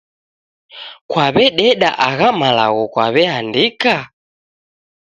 Kwaw'ededa agha malagho kwaw'eandika?